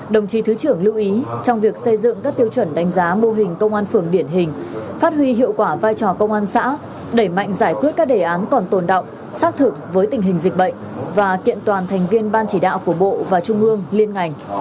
đồng chí thứ trưởng lưu ý trong việc xây dựng các tiêu chuẩn đánh giá mô hình công an phường điển hình phát huy hiệu quả vai trò công an xã đẩy mạnh giải quyết các đề án còn tồn động xác thực với tình hình dịch bệnh và kiện toàn thành viên ban chỉ đạo của bộ và trung ương liên ngành